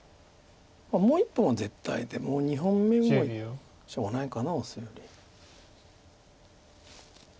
もう１本は絶対で２本目もしょうがないかなオスより。